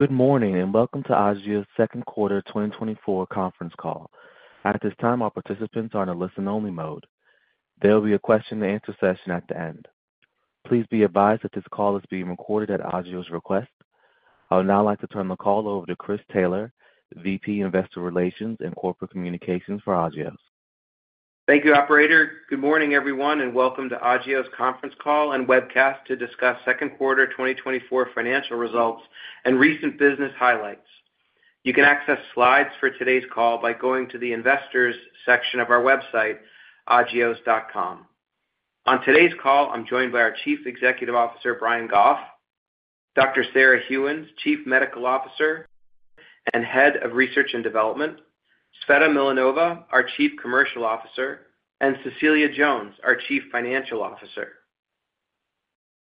Good morning, and welcome to Agios' second quarter 2024 conference call. At this time, all participants are in a listen-only mode. There will be a question-and-answer session at the end. Please be advised that this call is being recorded at Agios' request. I would now like to turn the call over to Chris Taylor, VP, Investor Relations and Corporate Communications for Agios. Thank you, operator. Good morning, everyone, and welcome to Agios' conference call and webcast to discuss second quarter 2024 financial results and recent business highlights. You can access slides for today's call by going to the Investors section of our website, agios.com. On today's call, I'm joined by our Chief Executive Officer, Brian Goff; Dr. Sarah Gheuens, Chief Medical Officer, and Head of Research and Development; Sveta Milanova, our Chief Commercial Officer; and Cecilia Jones, our Chief Financial Officer.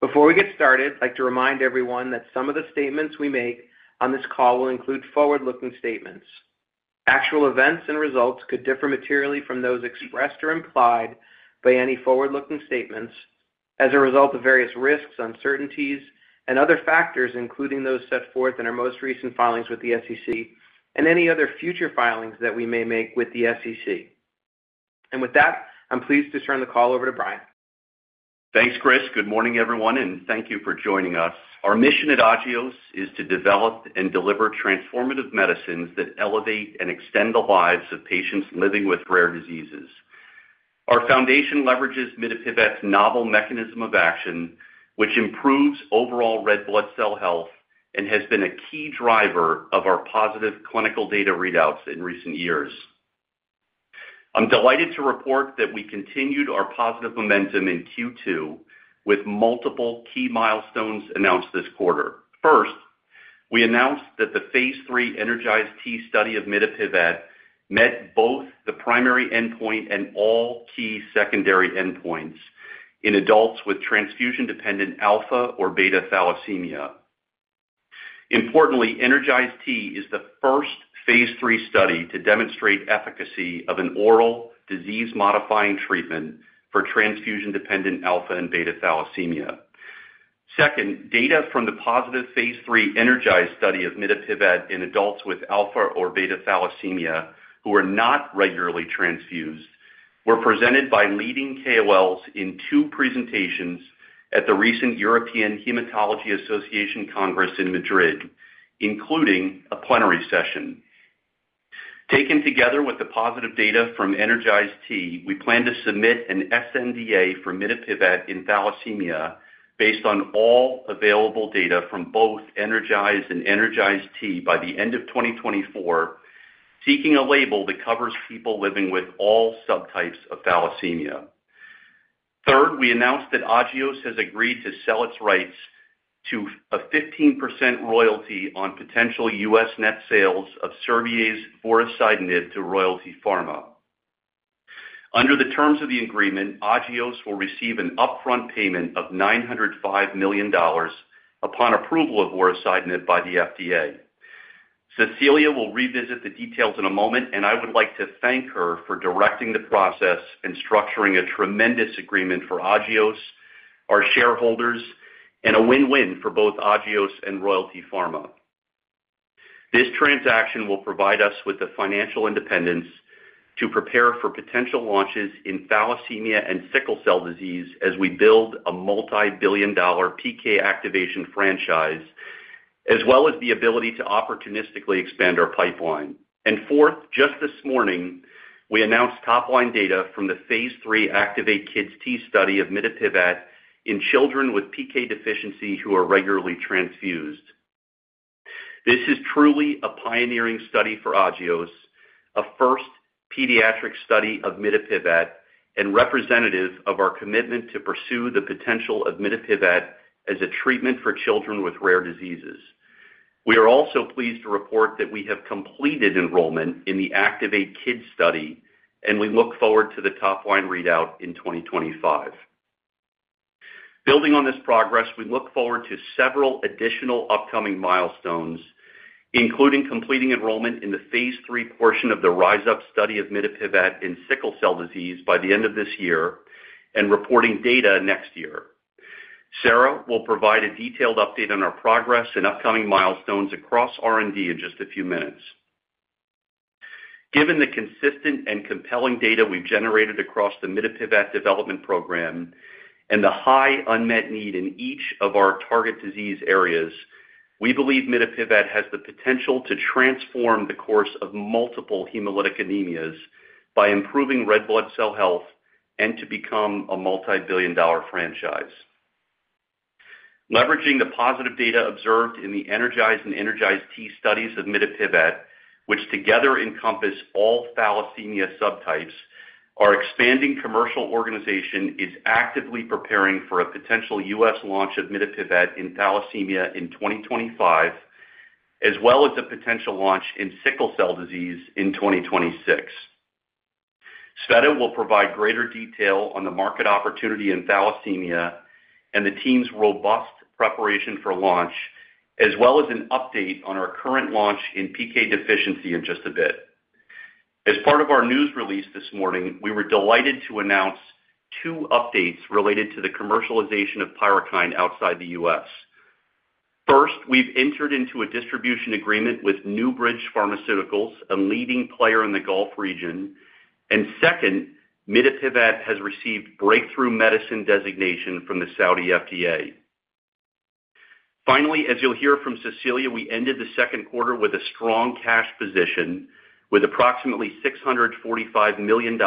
Before we get started, I'd like to remind everyone that some of the statements we make on this call will include forward-looking statements. Actual events and results could differ materially from those expressed or implied by any forward-looking statements as a result of various risks, uncertainties, and other factors, including those set forth in our most recent filings with the SEC and any other future filings that we may make with the SEC. With that, I'm pleased to turn the call over to Brian. Thanks, Chris. Good morning, everyone, and thank you for joining us. Our mission at Agios is to develop and deliver transformative medicines that elevate and extend the lives of patients living with rare diseases. Our foundation leverages mitapivat's novel mechanism of action, which improves overall red blood cell health and has been a key driver of our positive clinical data readouts in recent years. I'm delighted to report that we continued our positive momentum in Q2 with multiple key milestones announced this quarter. First, we announced that the phase 3 ENERGIZE-T study of mitapivat met both the primary endpoint and all key secondary endpoints in adults with transfusion-dependent alpha or beta thalassemia. Importantly, ENERGIZE-T is the first phase 3 study to demonstrate efficacy of an oral disease-modifying treatment for transfusion-dependent alpha and beta thalassemia. Second, data from the positive Phase 3 ENERGIZE study of mitapivat in adults with alpha or beta thalassemia who are not regularly transfused, were presented by leading KOLs in two presentations at the recent European Hematology Association Congress in Madrid, including a plenary session. Taken together with the positive data from ENERGIZE-T, we plan to submit an sNDA for mitapivat in thalassemia based on all available data from both ENERGIZE and ENERGIZE-T by the end of 2024, seeking a label that covers people living with all subtypes of thalassemia. Third, we announced that Agios has agreed to sell its rights to a 15% royalty on potential U.S. net sales of Servier's vorasidenib to Royalty Pharma. Under the terms of the agreement, Agios will receive an upfront payment of $905 million upon approval of vorasidenib by the FDA. Cecilia will revisit the details in a moment, and I would like to thank her for directing the process and structuring a tremendous agreement for Agios, our shareholders, and a win-win for both Agios and Royalty Pharma. This transaction will provide us with the financial independence to prepare for potential launches in thalassemia and sickle cell disease as we build a multi-billion dollar PK activation franchise, as well as the ability to opportunistically expand our pipeline. And fourth, just this morning, we announced top-line data from the phase 3 ACTIVATE-Kids T study of mitapivat in children with PK deficiency who are regularly transfused. This is truly a pioneering study for Agios, a first pediatric study of mitapivat, and representative of our commitment to pursue the potential of mitapivat as a treatment for children with rare diseases. We are also pleased to report that we have completed enrollment in the ACTIVATE-Kids study, and we look forward to the top-line readout in 2025. Building on this progress, we look forward to several additional upcoming milestones, including completing enrollment in the Phase 3 portion of the RISE-UP study of mitapivat in sickle cell disease by the end of this year and reporting data next year. Sarah will provide a detailed update on our progress and upcoming milestones across R&D in just a few minutes. Given the consistent and compelling data we've generated across the mitapivat development program and the high unmet need in each of our target disease areas, we believe mitapivat has the potential to transform the course of multiple hemolytic anemias by improving red blood cell health and to become a multi-billion dollar franchise. Leveraging the positive data observed in the ENERGIZE and ENERGIZE-T studies of mitapivat, which together encompass all thalassemia subtypes, our expanding commercial organization is actively preparing for a potential US launch of mitapivat in thalassemia in 2025, as well as a potential launch in sickle cell disease in 2026. Sveta will provide greater detail on the market opportunity in thalassemia and the team's robust preparation for launch, as well as an update on our current launch in PK deficiency in just a bit. As part of our news release this morning, we were delighted to announce two updates related to the commercialization of PYRUKYND outside the US. First, we've entered into a distribution agreement with NewBridge Pharmaceuticals, a leading player in the Gulf region. And second, mitapivat has received Breakthrough Medicine designation from the Saudi FDA. Finally, as you'll hear from Cecilia, we ended the second quarter with a strong cash position, with approximately $645 million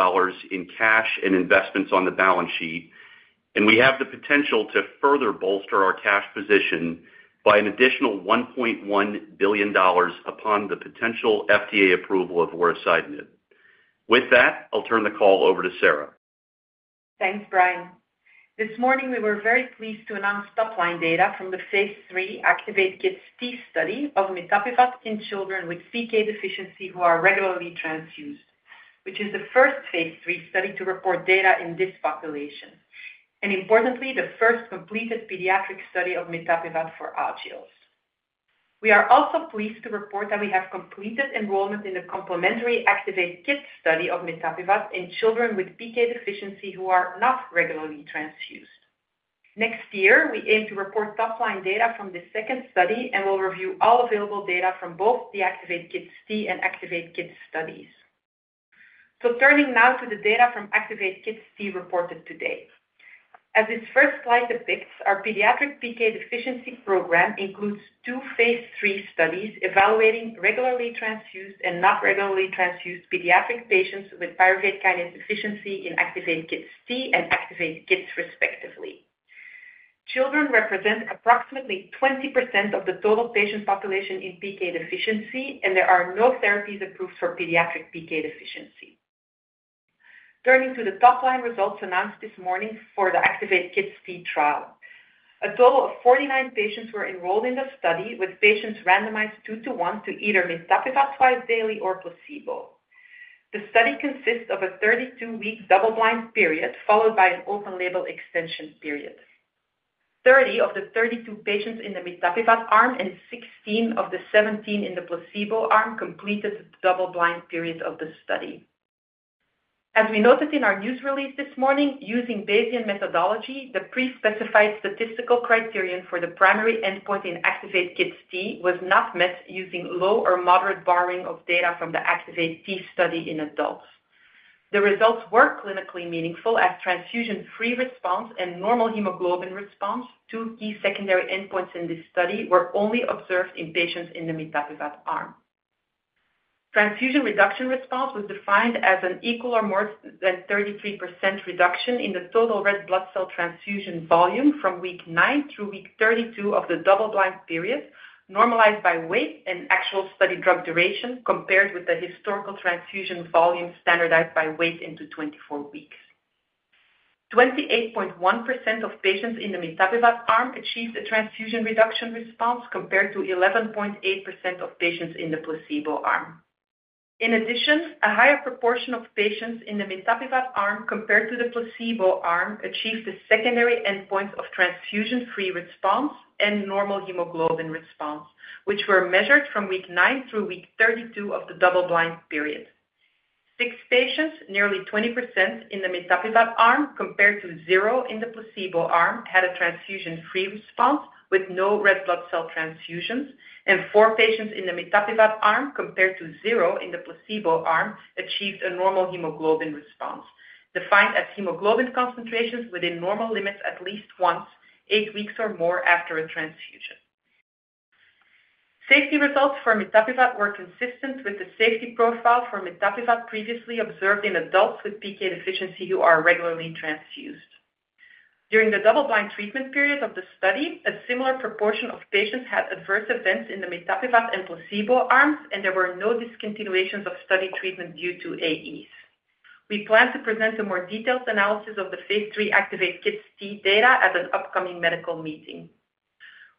in cash and investments on the balance sheet, and we have the potential to further bolster our cash position by an additional $1.1 billion upon the potential FDA approval of vorasidenib. With that, I'll turn the call over to Sarah. Thanks, Brian. This morning, we were very pleased to announce top-line data from the phase 3 ACTIVATE-Kids T study of mitapivat in children with PK deficiency who are regularly transfused, which is the first phase 3 study to report data in this population, and importantly, the first completed pediatric study of mitapivat for PKDs. We are also pleased to report that we have completed enrollment in the complementary ACTIVATE-Kids study of mitapivat in children with PK deficiency who are not regularly transfused. Next year, we aim to report top-line data from the second study, and we'll review all available data from both the ACTIVATE-Kids T and ACTIVATE-Kids studies. So turning now to the data from ACTIVATE-Kids T reported today. As this first slide depicts, our pediatric PK deficiency program includes two phase 3 studies evaluating regularly transfused and not regularly transfused pediatric patients with pyruvate kinase deficiency in ACTIVATE-Kids T and ACTIVATE-Kids, respectively. Children represent approximately 20% of the total patient population in PK deficiency, and there are no therapies approved for pediatric PK deficiency. Turning to the top-line results announced this morning for the ACTIVATE-Kids T trial. A total of 49 patients were enrolled in the study, with patients randomized 2 to 1 to either mitapivat twice daily or placebo. The study consists of a 32-week double-blind period, followed by an open-label extension period. 30 of the 32 patients in the mitapivat arm and 16 of the 17 in the placebo arm completed the double-blind period of the study. As we noted in our news release this morning, using Bayesian methodology, the pre-specified statistical criterion for the primary endpoint in ACTIVATE-Kids T was not met using low or moderate borrowing of data from the ACTIVATE-T study in adults. The results were clinically meaningful, as transfusion-free response and normal hemoglobin response, two key secondary endpoints in this study, were only observed in patients in the mitapivat arm. Transfusion reduction response was defined as an equal or more than 33% reduction in the total red blood cell transfusion volume from week 9 through week 32 of the double-blind period, normalized by weight and actual study drug duration, compared with the historical transfusion volume standardized by weight into 24 weeks. 28.1% of patients in the mitapivat arm achieved a transfusion reduction response, compared to 11.8% of patients in the placebo arm. In addition, a higher proportion of patients in the mitapivat arm compared to the placebo arm, achieved the secondary endpoint of transfusion-free response and normal hemoglobin response, which were measured from week 9 through week 32 of the double-blind period. 6 patients, nearly 20% in the mitapivat arm, compared to 0 in the placebo arm, had a transfusion-free response with no red blood cell transfusions, and 4 patients in the mitapivat arm, compared to 0 in the placebo arm, achieved a normal hemoglobin response, defined as hemoglobin concentrations within normal limits at least once, 8 weeks or more after a transfusion. Safety results for mitapivat were consistent with the safety profile for mitapivat previously observed in adults with PK deficiency who are regularly transfused. During the double-blind treatment period of the study, a similar proportion of patients had adverse events in the mitapivat and placebo arms, and there were no discontinuations of study treatment due to AEs. We plan to present a more detailed analysis of the phase 3 ACTIVATE-Kids T data at an upcoming medical meeting.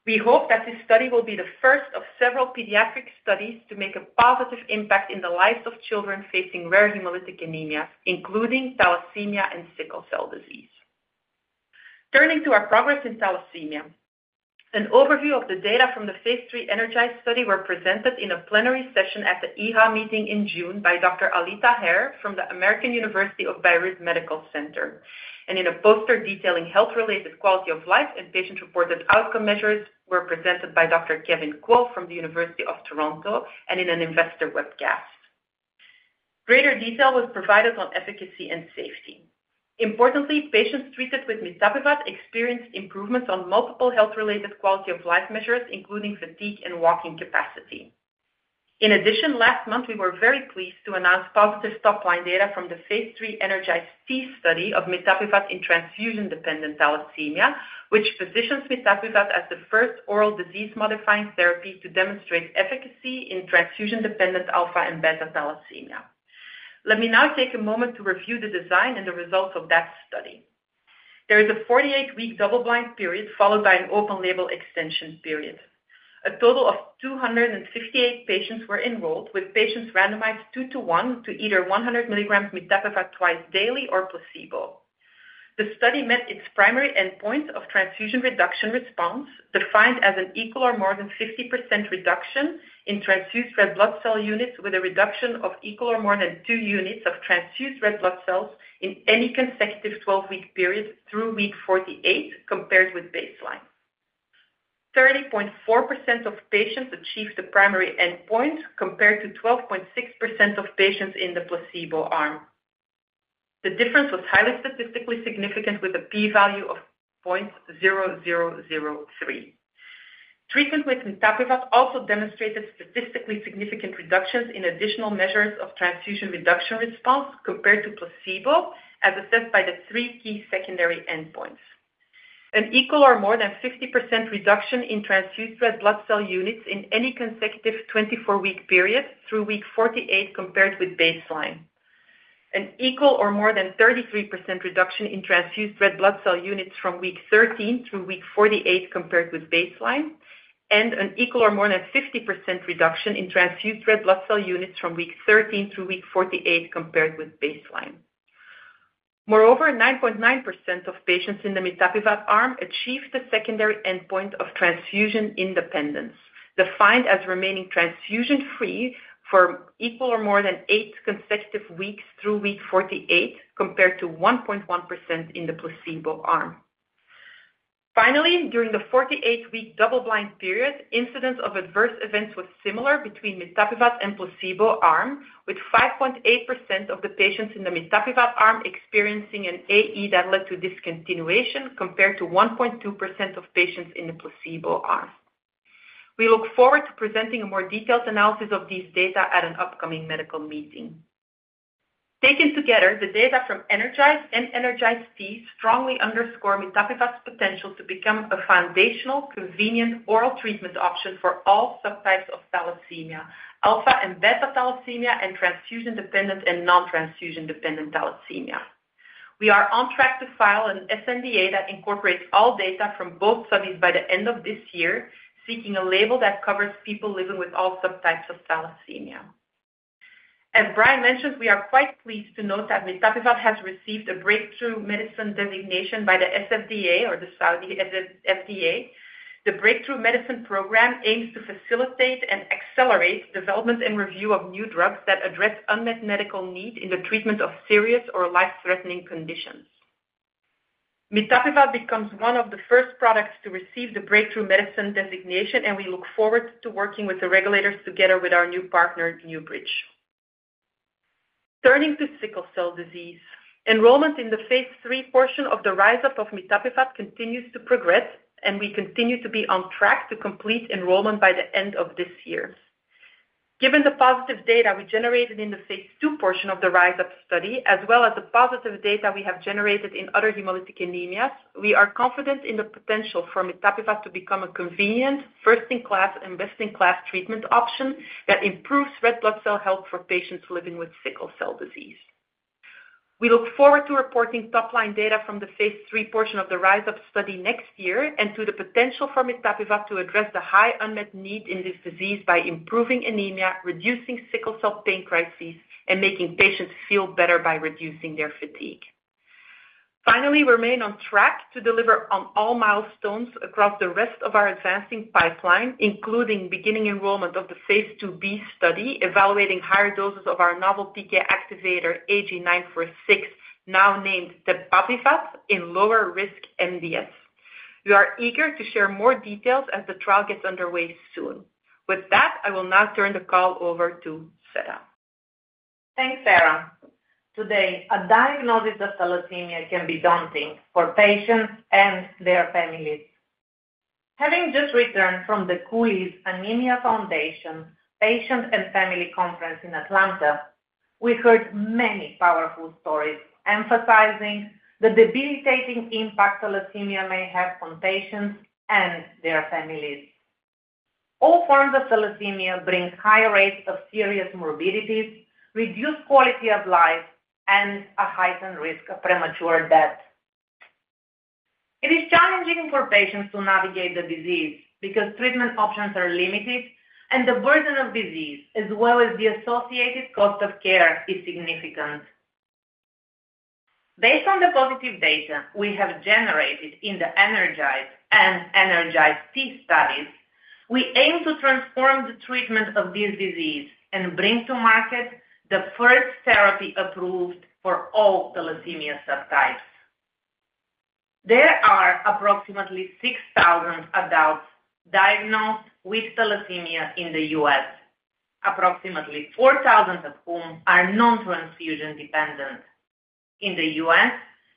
We hope that this study will be the first of several pediatric studies to make a positive impact in the lives of children facing rare hemolytic anemia, including thalassemia and sickle cell disease. Turning to our progress in thalassemia. An overview of the data from the phase 3 ENERGIZE study were presented in a plenary session at the EHA meeting in June by Dr. Ali Taher from the American University of Beirut Medical Center, and in a poster detailing health-related quality of life and patient-reported outcome measures were presented by Dr. Kevin Kuo from the University of Toronto and in an investor webcast. Greater detail was provided on efficacy and safety. Importantly, patients treated with mitapivat experienced improvements on multiple health-related quality of life measures, including fatigue and walking capacity. In addition, last month, we were very pleased to announce positive top-line data from the phase 3 ENERGIZE-T study of mitapivat in transfusion-dependent thalassemia, which positions mitapivat as the first oral disease-modifying therapy to demonstrate efficacy in transfusion-dependent alpha and beta thalassemia. Let me now take a moment to review the design and the results of that study. There is a 48-week double-blind period, followed by an open-label extension period. A total of 258 patients were enrolled, with patients randomized 2 to 1 to either 100 milligrams mitapivat twice daily or placebo. The study met its primary endpoint of transfusion reduction response, defined as an equal or more than 50% reduction in transfused red blood cell units, with a reduction of equal or more than 2 units of transfused red blood cells in any consecutive 12-week period through week 48, compared with baseline. 30.4% of patients achieved the primary endpoint, compared to 12.6% of patients in the placebo arm. The difference was highly statistically significant, with a p-value of 0.0003. Treatment with mitapivat also demonstrated statistically significant reductions in additional measures of transfusion reduction response compared to placebo, as assessed by the 3 key secondary endpoints. An equal or more than 60% reduction in transfused red blood cell units in any consecutive 24-week period through week 48 compared with baseline. An equal or more than 33% reduction in transfused red blood cell units from week 13 through week 48 compared with baseline, and an equal or more than 50% reduction in transfused red blood cell units from week 13 through week 48 compared with baseline. Moreover, 9.9% of patients in the mitapivat arm achieved the secondary endpoint of transfusion independence, defined as remaining transfusion-free for equal or more than eight consecutive weeks through week 48, compared to 1.1% in the placebo arm. Finally, during the 48-week double-blind period, incidence of adverse events was similar between mitapivat and placebo arm, with 5.8% of the patients in the mitapivat arm experiencing an AE that led to discontinuation, compared to 1.2% of patients in the placebo arm. We look forward to presenting a more detailed analysis of these data at an upcoming medical meeting. Taken together, the data from ENERGIZE and ENERGIZE-T strongly underscore mitapivat's potential to become a foundational, convenient oral treatment option for all subtypes of thalassemia, alpha and beta thalassemia, and transfusion-dependent and non-transfusion-dependent thalassemia. We are on track to file an sNDA that incorporates all data from both studies by the end of this year, seeking a label that covers people living with all subtypes of thalassemia. As Brian mentioned, we are quite pleased to note that mitapivat has received a Breakthrough Medicine designation by the SFDA or the Saudi FDA. The Breakthrough Medicine Program aims to facilitate and accelerate development and review of new drugs that address unmet medical need in the treatment of serious or life-threatening conditions. Mitapivat becomes one of the first products to receive the breakthrough medicine designation, and we look forward to working with the regulators together with our new partner, NewBridge. Turning to sickle cell disease. Enrollment in the phase 3 portion of the RISE-UP of mitapivat continues to progress, and we continue to be on track to complete enrollment by the end of this year. Given the positive data we generated in the phase 2 portion of the RISE-UP study, as well as the positive data we have generated in other hemolytic anemias, we are confident in the potential for mitapivat to become a convenient, first-in-class and best-in-class treatment option that improves red blood cell health for patients living with sickle cell disease. We look forward to reporting top-line data from the phase 3 portion of the RISE UP study next year, and to the potential for mitapivat to address the high unmet need in this disease by improving anemia, reducing sickle cell pain crises, and making patients feel better by reducing their fatigue. Finally, we remain on track to deliver on all milestones across the rest of our advancing pipeline, including beginning enrollment of the phase 2b study, evaluating higher doses of our novel PK activator, AG-946, now named tebapivat, in lower-risk MDS. We are eager to share more details as the trial gets underway soon. With that, I will now turn the call over to Sveta. Thanks, Sarah. Today, a diagnosis of thalassemia can be daunting for patients and their families. Having just returned from the Cooley's Anemia Foundation Patient and Family Conference in Atlanta, we heard many powerful stories emphasizing the debilitating impact thalassemia may have on patients and their families. All forms of thalassemia bring high rates of serious morbidities, reduced quality of life, and a heightened risk of premature death. It is challenging for patients to navigate the disease because treatment options are limited and the burden of disease, as well as the associated cost of care, is significant. Based on the positive data we have generated in the ENERGIZE and ENERGIZE-T studies, we aim to transform the treatment of this disease and bring to market the first therapy approved for all thalassemia subtypes. There are approximately 6,000 adults diagnosed with thalassemia in the U.S., approximately 4,000 of whom are non-transfusion dependent. In the U.S.,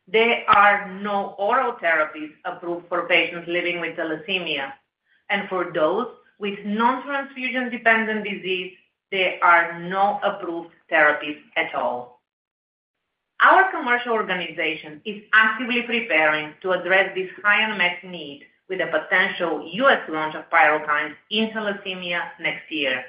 there are no oral therapies approved for patients living with thalassemia, and for those with non-transfusion dependent disease, there are no approved therapies at all. Our commercial organization is actively preparing to address this high unmet need with a potential U.S. launch of PYRUKYND in thalassemia next year.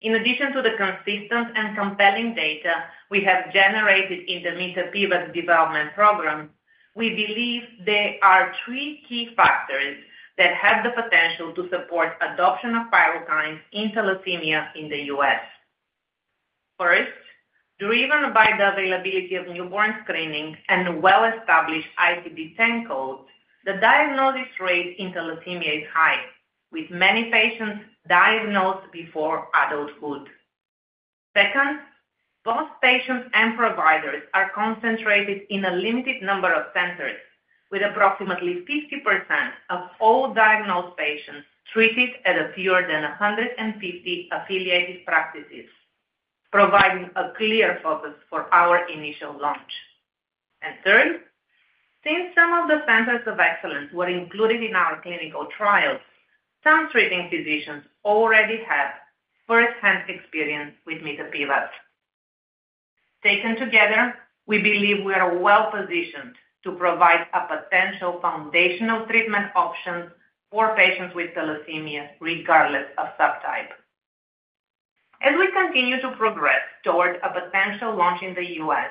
In addition to the consistent and compelling data we have generated in the mitapivat development program, we believe there are three key factors that have the potential to support adoption of PYRUKYND in thalassemia in the U.S.... First, driven by the availability of newborn screening and well-established ICD-10 codes, the diagnosis rate in thalassemia is high, with many patients diagnosed before adulthood. Second, both patients and providers are concentrated in a limited number of centers, with approximately 50% of all diagnosed patients treated at fewer than 150 affiliated practices, providing a clear focus for our initial launch. And third, since some of the centers of excellence were included in our clinical trials, some treating physicians already have first-hand experience with mitapivat. Taken together, we believe we are well-positioned to provide a potential foundational treatment option for patients with thalassemia, regardless of subtype. As we continue to progress towards a potential launch in the US,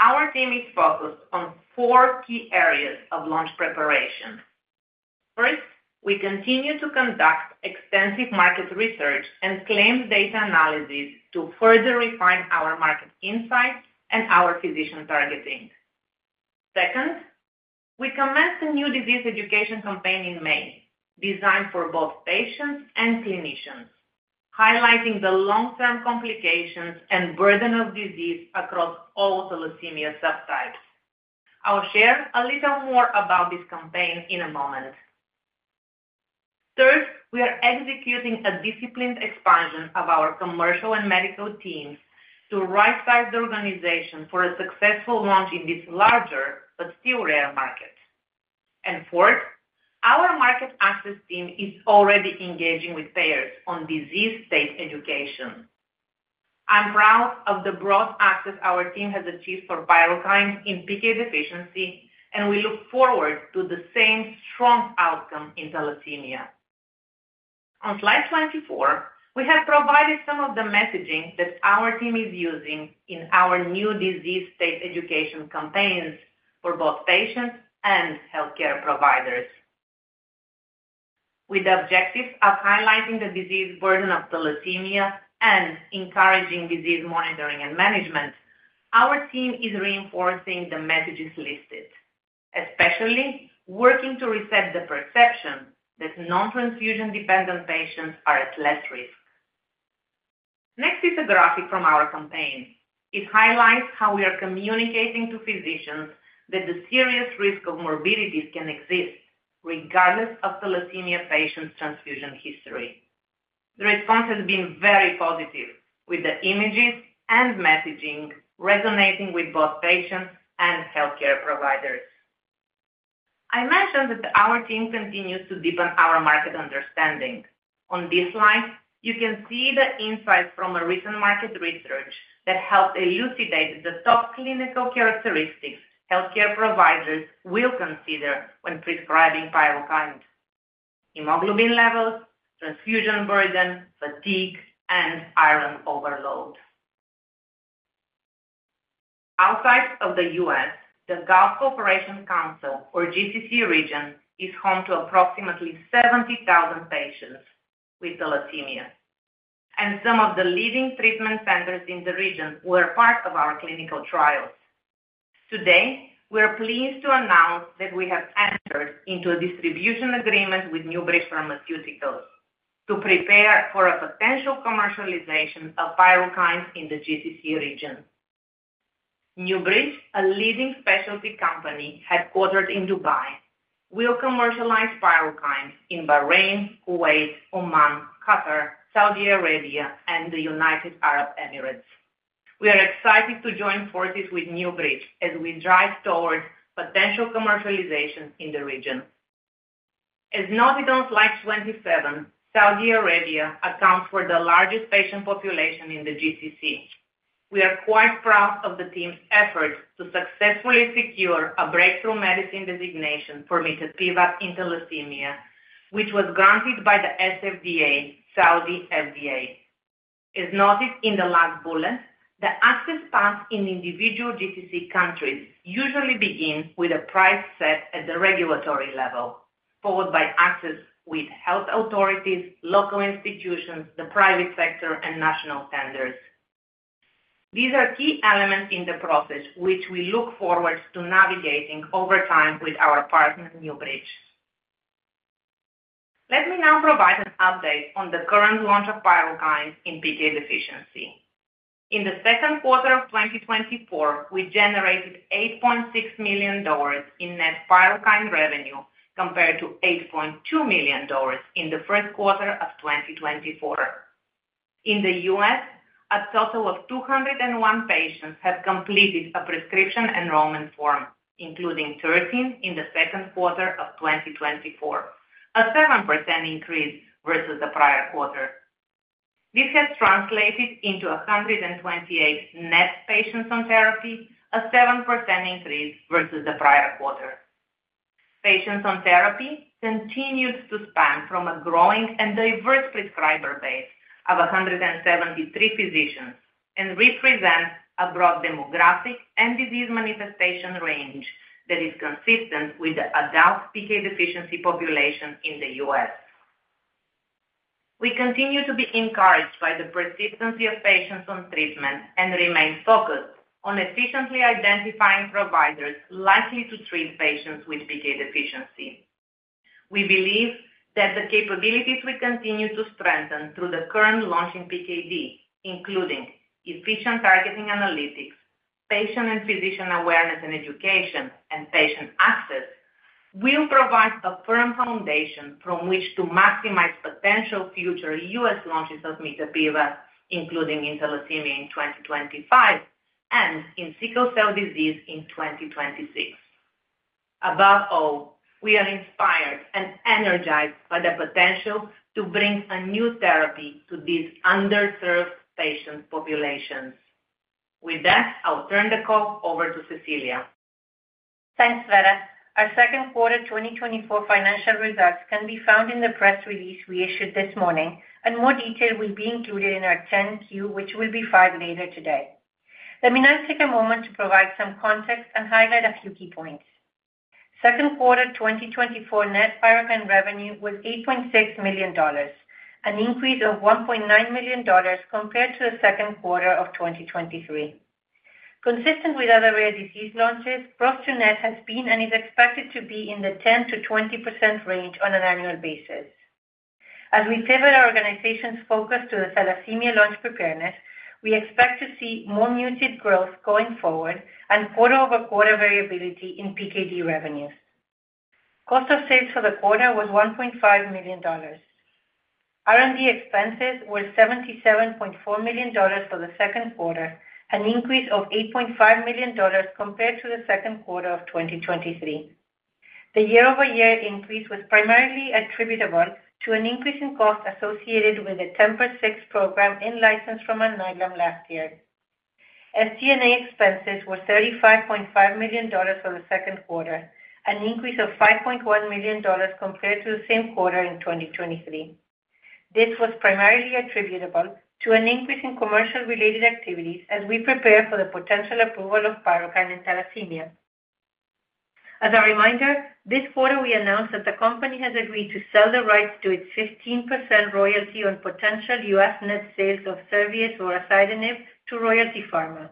our team is focused on four key areas of launch preparation. First, we continue to conduct extensive market research and claims data analysis to further refine our market insights and our physician targeting. Second, we commenced a new disease education campaign in May, designed for both patients and clinicians, highlighting the long-term complications and burden of disease across all thalassemia subtypes. I'll share a little more about this campaign in a moment. Third, we are executing a disciplined expansion of our commercial and medical teams to right-size the organization for a successful launch in this larger, but still rare market. And fourth, our market access team is already engaging with payers on disease state education. I'm proud of the broad access our team has achieved for PYRUKYND in PK deficiency, and we look forward to the same strong outcome in thalassemia. On slide 24, we have provided some of the messaging that our team is using in our new disease state education campaigns for both patients and healthcare providers. With the objective of highlighting the disease burden of thalassemia and encouraging disease monitoring and management, our team is reinforcing the messages listed, especially working to reset the perception that non-transfusion-dependent patients are at less risk. Next is a graphic from our campaign. It highlights how we are communicating to physicians that the serious risk of morbidities can exist regardless of thalassemia patients' transfusion history. The response has been very positive, with the images and messaging resonating with both patients and healthcare providers. I mentioned that our team continues to deepen our market understanding. On this slide, you can see the insights from a recent market research that helped elucidate the top clinical characteristics healthcare providers will consider when prescribing PYRUKYND: hemoglobin levels, transfusion burden, fatigue, and iron overload. Outside of the US, the Gulf Cooperation Council, or GCC region, is home to approximately 70,000 patients with thalassemia, and some of the leading treatment centers in the region were part of our clinical trials. Today, we are pleased to announce that we have entered into a distribution agreement with NewBridge Pharmaceuticals to prepare for a potential commercialization of PYRUKYND in the GCC region. NewBridge, a leading specialty company headquartered in Dubai, will commercialize PYRUKYND in Bahrain, Kuwait, Oman, Qatar, Saudi Arabia, and the United Arab Emirates. We are excited to join forces with NewBridge as we drive towards potential commercialization in the region. As noted on slide 27, Saudi Arabia accounts for the largest patient population in the GCC. We are quite proud of the team's efforts to successfully secure a breakthrough medicine designation for mitapivat in thalassemia, which was granted by the SFDA, Saudi FDA. As noted in the last bullet, the access path in individual GCC countries usually begins with a price set at the regulatory level, followed by access with health authorities, local institutions, the private sector, and national centers. These are key elements in the process, which we look forward to navigating over time with our partner, NewBridge. Let me now provide an update on the current launch of PYRUKYND in PK deficiency. In the second quarter of 2024, we generated $8.6 million in net PYRUKYND revenue, compared to $8.2 million in the first quarter of 2024. In the US, a total of 201 patients have completed a prescription enrollment form, including 13 in the second quarter of 2024, a 7% increase versus the prior quarter. This has translated into 128 net patients on therapy, a 7% increase versus the prior quarter. Patients on therapy continues to span from a growing and diverse prescriber base of 173 physicians... and represents a broad demographic and disease manifestation range that is consistent with the adult PK deficiency population in the US. We continue to be encouraged by the persistency of patients on treatment and remain focused on efficiently identifying providers likely to treat patients with PKD deficiency. We believe that the capabilities we continue to strengthen through the current launch in PKD, including efficient targeting analytics, patient and physician awareness and education, and patient access, will provide a firm foundation from which to maximize potential future US launches of mitapivat, including in thalassemia in 2025, and in sickle cell disease in 2026. Above all, we are inspired and energized by the potential to bring a new therapy to these underserved patient populations. With that, I'll turn the call over to Cecilia. Thanks, Sveta. Our second quarter 2024 financial results can be found in the press release we issued this morning, and more detail will be included in our 10-Q, which will be filed later today. Let me now take a moment to provide some context and highlight a few key points. Second quarter 2024 net PYRUKYND revenue was $8.6 million, an increase of $1.9 million compared to the second quarter of 2023. Consistent with other rare disease launches, gross to net has been and is expected to be in the 10%-20% range on an annual basis. As we pivot our organization's focus to the thalassemia launch preparedness, we expect to see more muted growth going forward and quarter-over-quarter variability in PKD revenues. Cost of sales for the quarter was $1.5 million. R&D expenses were $77.4 million for the second quarter, an increase of $8.5 million compared to the second quarter of 2023. The year-over-year increase was primarily attributable to an increase in costs associated with the TMPRSS6 program in-licensed from Alnylam last year. SG&A expenses were $35.5 million for the second quarter, an increase of $5.1 million compared to the same quarter in 2023. This was primarily attributable to an increase in commercial-related activities as we prepare for the potential approval of PYRUKYND in thalassemia. As a reminder, this quarter we announced that the company has agreed to sell the rights to its 15% royalty on potential U.S. net sales of Servier vorasidenib to Royalty Pharma.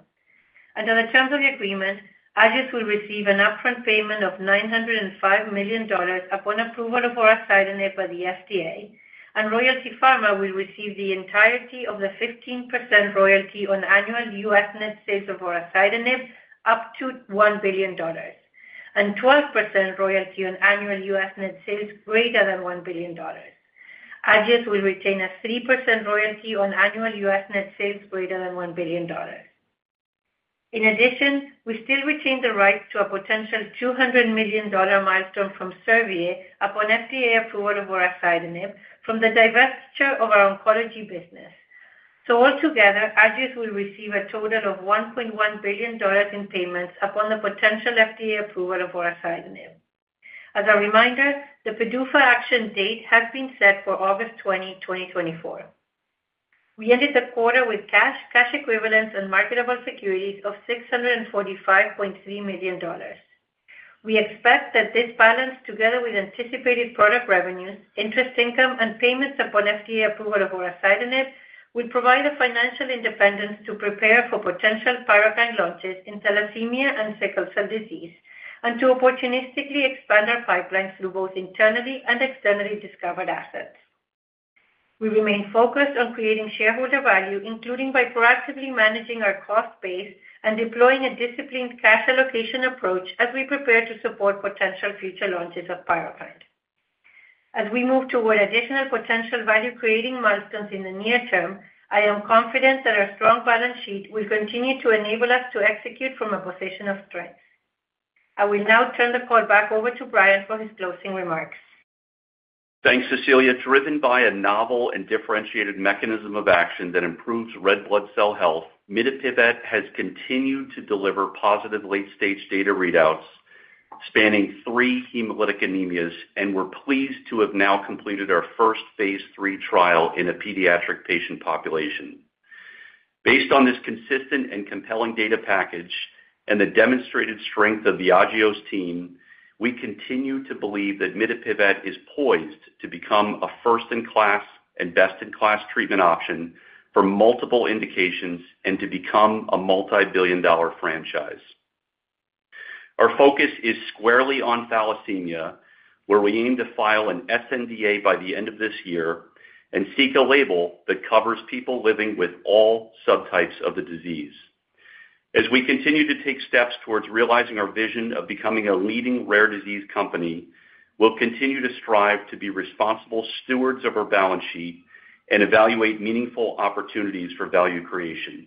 Under the terms of the agreement, Agios will receive an upfront payment of $905 million upon approval of vorasidenib by the FDA, and Royalty Pharma will receive the entirety of the 15% royalty on annual US net sales of vorasidenib up to $1 billion, and 12% royalty on annual US net sales greater than $1 billion. Agios will retain a 3% royalty on annual US net sales greater than $1 billion. In addition, we still retain the right to a potential $200 million milestone from Servier upon FDA approval of vorasidenib from the divestiture of our oncology business. So altogether, Agios will receive a total of $1.1 billion in payments upon the potential FDA approval of vorasidenib. As a reminder, the PDUFA action date has been set for August 20, 2024. We ended the quarter with cash, cash equivalents, and marketable securities of $645.3 million. We expect that this balance, together with anticipated product revenues, interest income, and payments upon FDA approval of vorasidenib, will provide the financial independence to prepare for potential PYRUKYND launches in thalassemia and sickle cell disease and to opportunistically expand our pipeline through both internally and externally discovered assets. We remain focused on creating shareholder value, including by proactively managing our cost base and deploying a disciplined cash allocation approach as we prepare to support potential future launches of PYRUKYND. As we move toward additional potential value-creating milestones in the near term, I am confident that our strong balance sheet will continue to enable us to execute from a position of strength. I will now turn the call back over to Brian for his closing remarks. Thanks, Cecilia. Driven by a novel and differentiated mechanism of action that improves red blood cell health, mitapivat has continued to deliver positive late-stage data readouts spanning three hemolytic anemias, and we're pleased to have now completed our first phase 3 trial in a pediatric patient population. Based on this consistent and compelling data package and the demonstrated strength of the Agios team, we continue to believe that mitapivat is poised to become a first-in-class and best-in-class treatment option for multiple indications and to become a multibillion-dollar franchise. Our focus is squarely on thalassemia, where we aim to file an sNDA by the end of this year and seek a label that covers people living with all subtypes of the disease. As we continue to take steps towards realizing our vision of becoming a leading rare disease company, we'll continue to strive to be responsible stewards of our balance sheet and evaluate meaningful opportunities for value creation.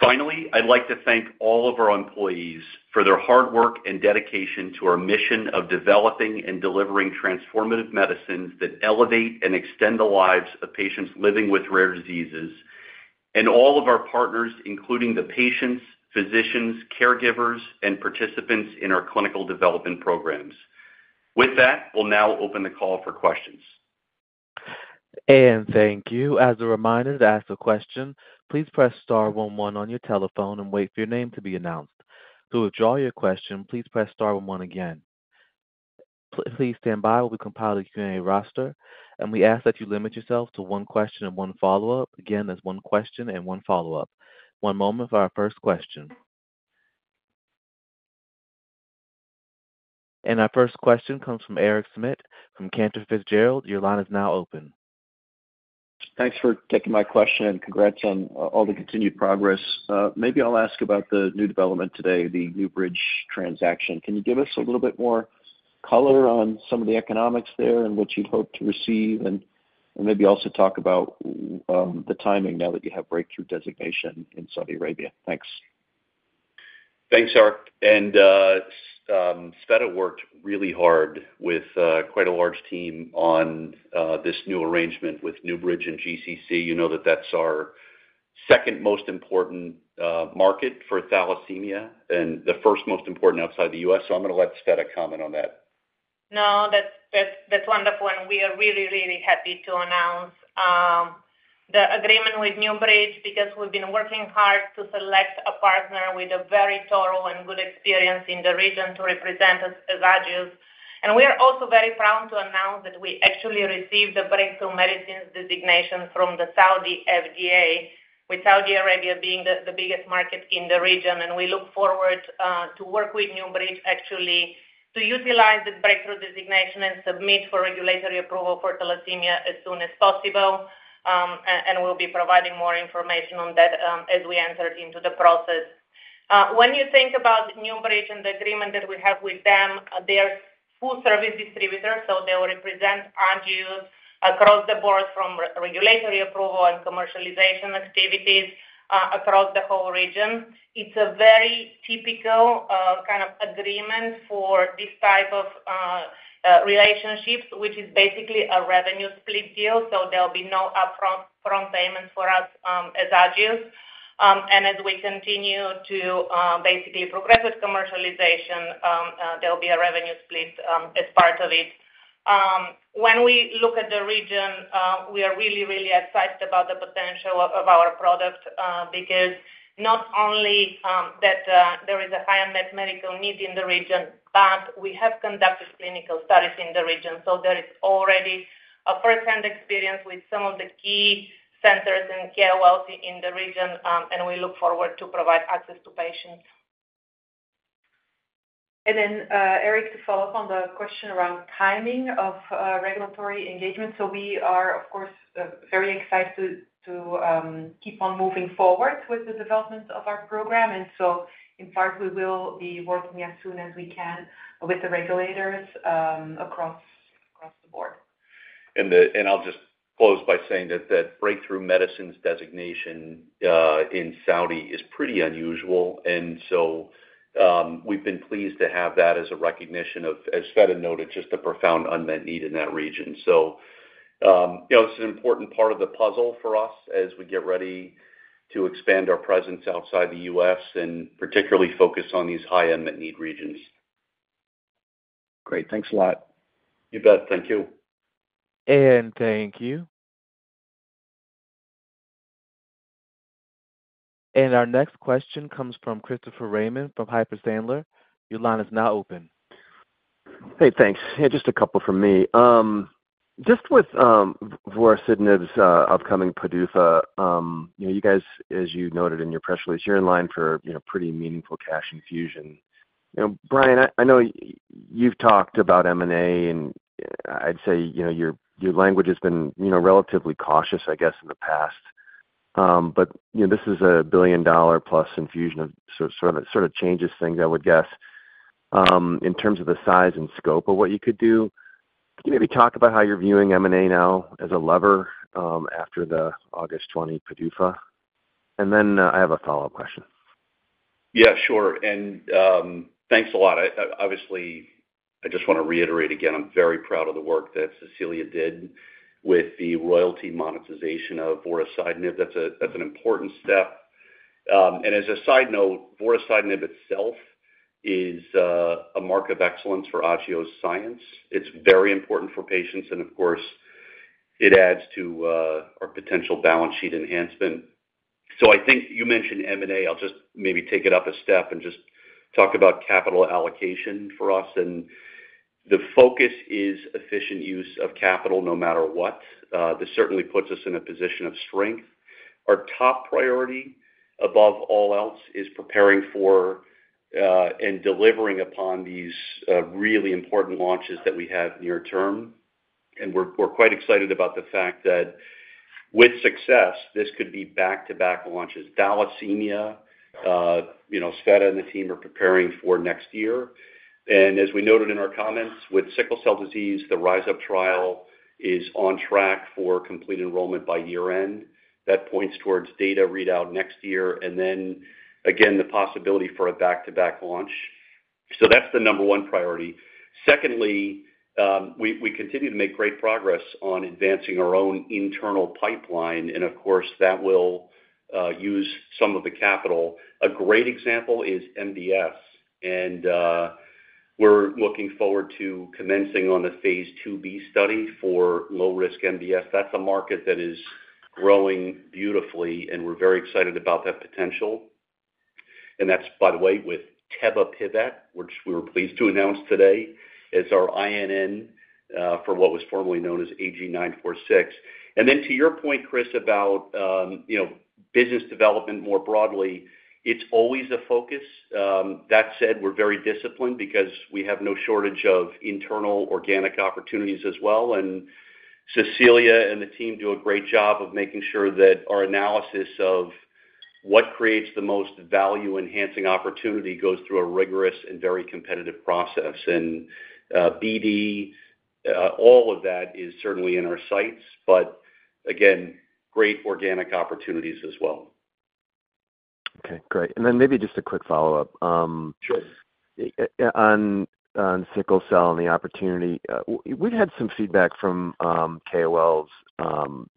Finally, I'd like to thank all of our employees for their hard work and dedication to our mission of developing and delivering transformative medicines that elevate and extend the lives of patients living with rare diseases, and all of our partners, including the patients, physicians, caregivers, and participants in our clinical development programs.... With that, we'll now open the call for questions. And thank you. As a reminder, to ask a question, please press star one one on your telephone and wait for your name to be announced. To withdraw your question, please press star one one again. Please stand by while we compile the Q&A roster, and we ask that you limit yourself to one question and one follow-up. Again, that's one question and one follow-up. One moment for our first question. And our first question comes from Eric Schmidt from Cantor Fitzgerald. Your line is now open. Thanks for taking my question, and congrats on all the continued progress. Maybe I'll ask about the new development today, the NewBridge transaction. Can you give us a little bit more color on some of the economics there and what you'd hope to receive? And, and maybe also talk about the timing now that you have breakthrough designation in Saudi Arabia. Thanks. Thanks, Eric, and Sveta worked really hard with quite a large team on this new arrangement with NewBridge and GCC. You know that's our second most important market for thalassemia and the first most important outside the U.S., so I'm gonna let Sveta comment on that. No, that's wonderful, and we are really, really happy to announce the agreement with NewBridge because we've been working hard to select a partner with a very thorough and good experience in the region to represent us as Agios. And we are also very proud to announce that we actually received the Breakthrough Medicine Designation from the Saudi FDA, with Saudi Arabia being the biggest market in the region. And we look forward to work with NewBridge actually to utilize the breakthrough designation and submit for regulatory approval for thalassemia as soon as possible. And we'll be providing more information on that as we enter into the process. When you think about NewBridge and the agreement that we have with them, they're full service distributors, so they will represent Agios across the board from regulatory approval and commercialization activities across the whole region. It's a very typical kind of agreement for this type of relationships, which is basically a revenue split deal, so there'll be no upfront payment for us as Agios. And as we continue to basically progress with commercialization, there'll be a revenue split as part of it. When we look at the region, we are really, really excited about the potential of our product because not only that there is a high unmet medical need in the region, but we have conducted clinical studies in the region, so there is already a first-hand experience with some of the key centers and healthcare in the region, and we look forward to provide access to patients. And then, Eric, to follow up on the question around timing of regulatory engagement. We are, of course, very excited to keep on moving forward with the development of our program. In part, we will be working as soon as we can with the regulators, across the board. And I'll just close by saying that that Breakthrough Medicines Designation in Saudi is pretty unusual. And so, we've been pleased to have that as a recognition of, as Sveta noted, just a profound unmet need in that region. So, you know, this is an important part of the puzzle for us as we get ready to expand our presence outside the US and particularly focus on these high unmet need regions. Great. Thanks a lot. You bet. Thank you. Thank you. Our next question comes from Christopher Raymond from Piper Sandler. Your line is now open. Hey, thanks. Hey, just a couple from me. Just with vorasidenib's upcoming PDUFA, you know, you guys, as you noted in your press release, you're in line for, you know, pretty meaningful cash infusion. You know, Brian, I know you've talked about M&A, and I'd say, you know, your language has been, you know, relatively cautious, I guess, in the past. But, you know, this is a billion-dollar plus infusion, so sort of changes things, I would guess, in terms of the size and scope of what you could do. Can you maybe talk about how you're viewing M&A now as a lever, after the August 20 PDUFA? And then, I have a follow-up question. Yeah, sure. And thanks a lot. I obviously just want to reiterate again, I'm very proud of the work that Cecilia did with the royalty monetization of vorasidenib. That's an important step. And as a side note, vorasidenib itself is a mark of excellence for Agios Science. It's very important for patients, and of course, it adds to our potential balance sheet enhancement. So I think you mentioned M&A. I'll just maybe take it up a step and just talk about capital allocation for us. And the focus is efficient use of capital, no matter what. This certainly puts us in a position of strength. Our top priority, above all else, is preparing for and delivering upon these really important launches that we have near term, and we're quite excited about the fact that with success, this could be back-to-back launches. Thalassemia, you know, Sveta and the team are preparing for next year. And as we noted in our comments, with sickle cell disease, the Rise Up trial is on track for complete enrollment by year-end. That points towards data readout next year, and then, again, the possibility for a back-to-back launch. So that's the number one priority. Secondly, we continue to make great progress on advancing our own internal pipeline, and of course, that will use some of the capital. A great example is MDS, and we're looking forward to commencing on the phase 2b study for low-risk MDS. That's a market that is growing beautifully, and we're very excited about that potential. And that's, by the way, with tebapivat, which we were pleased to announce today, as our INN, for what was formerly known as AG-946. And then to your point, Chris, about, you know, business development more broadly, it's always a focus. That said, we're very disciplined because we have no shortage of internal organic opportunities as well. And Cecilia and the team do a great job of making sure that our analysis of what creates the most value-enhancing opportunity goes through a rigorous and very competitive process. And, BD, all of that is certainly in our sights, but again, great organic opportunities as well. Okay, great. And then maybe just a quick follow-up, Sure. On sickle cell and the opportunity, we've had some feedback from KOLs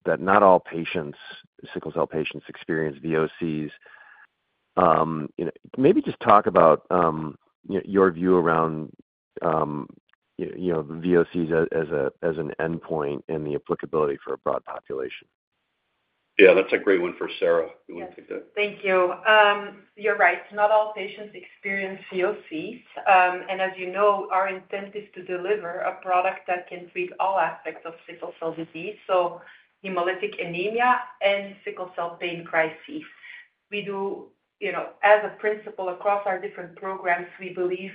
that not all patients, sickle cell patients, experience VOCs. You know, maybe just talk about your view around, you know, VOCs as a, as an endpoint and the applicability for a broad population. Yeah, that's a great one for Sarah. You want to take that? Thank you. You're right. Not all patients experience VOCs. And as you know, our intent is to deliver a product that can treat all aspects of sickle cell disease, so hemolytic anemia and sickle cell pain crises. We do, you know, as a principle across our different programs, we believe,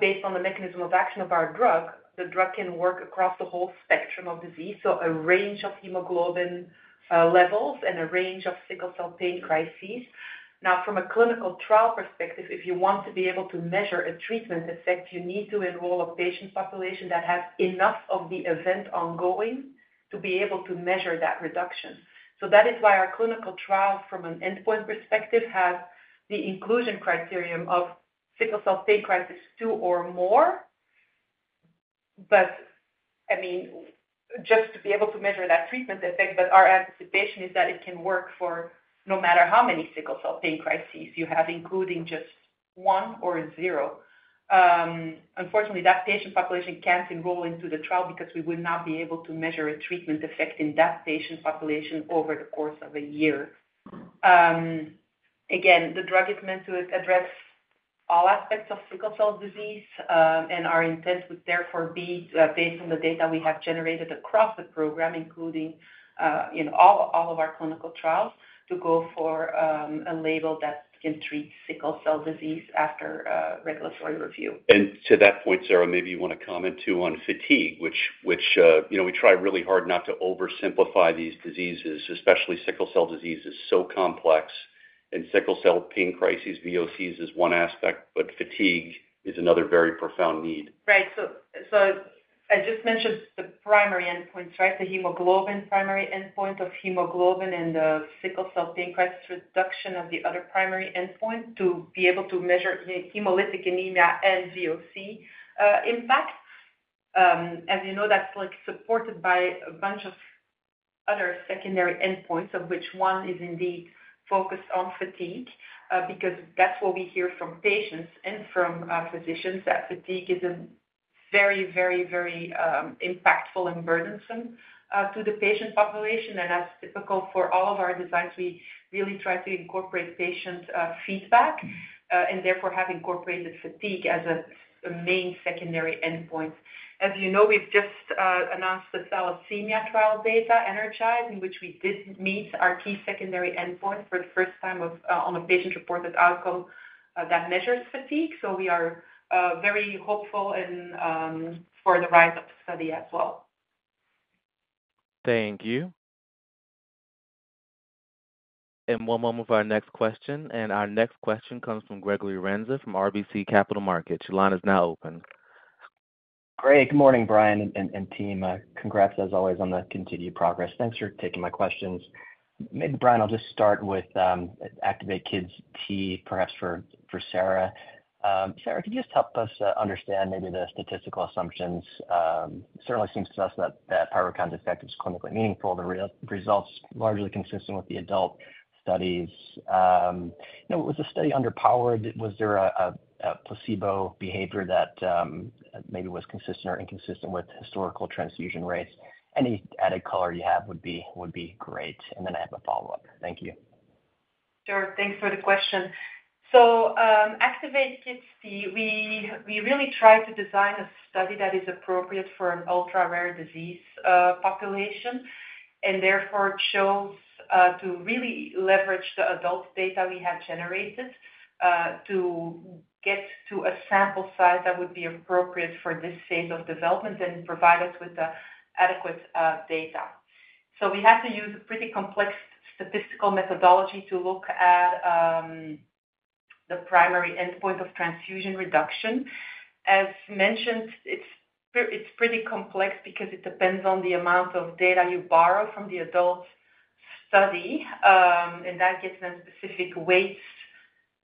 based on the mechanism of action of our drug, the drug can work across the whole spectrum of disease, so a range of hemoglobin levels and a range of sickle cell pain crises. Now, from a clinical trial perspective, if you want to be able to measure a treatment effect, you need to enroll a patient population that has enough of the event ongoing to be able to measure that reduction. So that is why our clinical trial, from an endpoint perspective, has the inclusion criterion of sickle cell pain crisis two or more. But I mean, just to be able to measure that treatment effect, but our anticipation is that it can work for no matter how many sickle cell pain crises you have, including just one or zero. Unfortunately, that patient population can't enroll into the trial because we would not be able to measure a treatment effect in that patient population over the course of a year. Again, the drug is meant to address all aspects of sickle cell disease, and our intent would therefore be, based on the data we have generated across the program, including in all of our clinical trials, to go for a label that can treat sickle cell disease after a regulatory review. To that point, Sarah, maybe you want to comment, too, on fatigue, which, you know, we try really hard not to oversimplify these diseases, especially sickle cell disease is so complex, and sickle cell pain crises, VOCs, is one aspect, but fatigue is another very profound need. Right. So, so I just mentioned the primary endpoints, right? The hemoglobin primary endpoint of hemoglobin and the sickle cell pain crisis reduction of the other primary endpoint to be able to measure the hemolytic anemia and VOC impact. As you know, that's, like, supported by a bunch of other secondary endpoints, of which one is indeed focused on fatigue, because that's what we hear from patients and from physicians, that fatigue is a very, very, very impactful and burdensome to the patient population. And that's typical for all of our designs. We really try to incorporate patient feedback, and therefore have incorporated fatigue as a main secondary endpoint. As you know, we've just announced the thalassemia trial data, ENERGIZE, in which we did meet our key secondary endpoint for the first time of on a patient-reported outcome that measures fatigue. So we are very hopeful and for the RISE-UP study as well. Thank you. And one moment for our next question, and our next question comes from Gregory Renza from RBC Capital Markets. Your line is now open. Great. Good morning, Brian and team. Congrats, as always, on the continued progress. Thanks for taking my questions. Maybe, Brian, I'll just start with ACTIVATE-Kids T, perhaps for Sarah. Sarah, could you just help us understand maybe the statistical assumptions? Certainly seems to us that PYRUKYND's effect is clinically meaningful, the results largely consistent with the adult studies. You know, was the study underpowered? Was there a placebo behavior that maybe was consistent or inconsistent with historical transfusion rates? Any added color you have would be great. And then I have a follow-up. Thank you. Sure. Thanks for the question. So, ACTIVATE-Kids T, we really tried to design a study that is appropriate for an ultra-rare disease population, and therefore it shows to really leverage the adult data we have generated to get to a sample size that would be appropriate for this stage of development and provide us with the adequate data. So we had to use a pretty complex statistical methodology to look at the primary endpoint of transfusion reduction. As mentioned, it's pretty complex because it depends on the amount of data you borrow from the adult study, and that gets in specific weights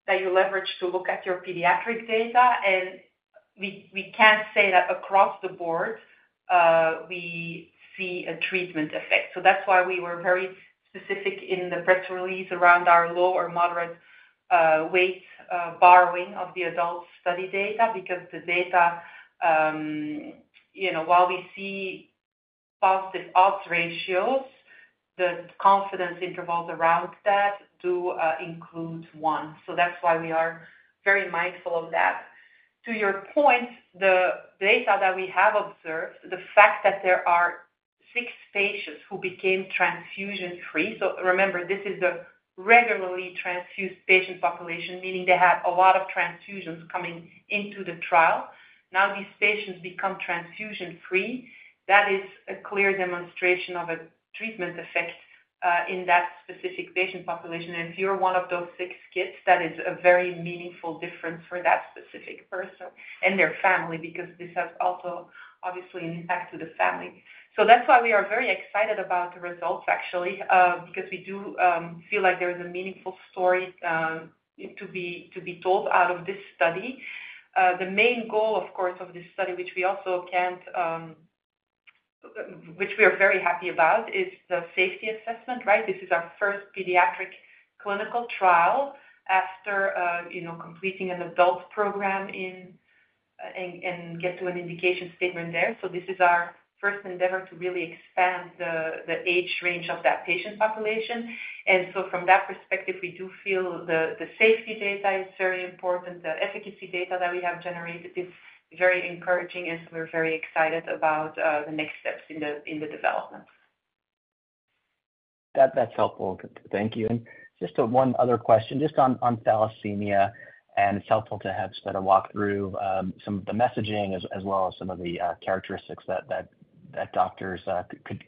that you leverage to look at your pediatric data. And we can't say that across the board.... we see a treatment effect. So that's why we were very specific in the press release around our low or moderate, weight, borrowing of the adult study data, because the data, you know, while we see positive odds ratios, the confidence intervals around that do, include one. So that's why we are very mindful of that. To your point, the data that we have observed, the fact that there are six patients who became transfusion-free. So remember, this is a regularly transfused patient population, meaning they have a lot of transfusions coming into the trial. Now these patients become transfusion-free. That is a clear demonstration of a treatment effect, in that specific patient population. If you're one of those six kids, that is a very meaningful difference for that specific person and their family, because this has also, obviously, an impact to the family. So that's why we are very excited about the results, actually, because we do feel like there is a meaningful story to be told out of this study. The main goal, of course, of this study, which we are very happy about, is the safety assessment, right? This is our first pediatric clinical trial after, you know, completing an adult program in and get to an indication statement there. So this is our first endeavor to really expand the age range of that patient population. And so from that perspective, we do feel the safety data is very important. The efficacy data that we have generated is very encouraging, and so we're very excited about the next steps in the development. That, that's helpful. Thank you. Just one other question, just on thalassemia, and it's helpful to have Sveta walk through some of the messaging as well as some of the characteristics that doctors